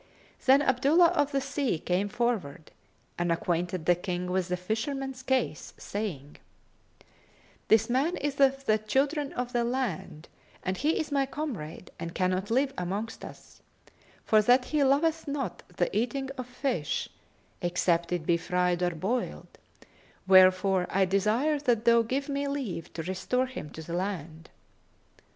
Then Abdullah of the Sea came forward and acquainted the King with the fisherman's case, saying, "This man is of the children of the land and he is my comrade and cannot live amongst us, for that he loveth not the eating of fish, except it be fried or boiled; wherefore I desire that thou give me leave to restore him to the land."